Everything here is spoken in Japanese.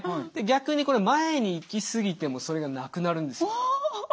逆にこれ前に行き過ぎてもそれがなくなるんですよ。